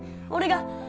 俺が